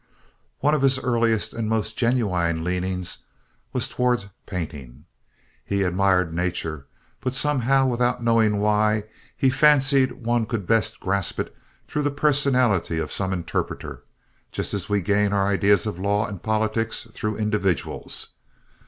One of his earliest and most genuine leanings was toward paintings. He admired nature, but somehow, without knowing why, he fancied one could best grasp it through the personality of some interpreter, just as we gain our ideas of law and politics through individuals.